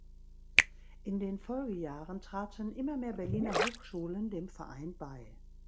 In den Folgejahren traten immer mehr Berliner Hochschulen dem Verein bei.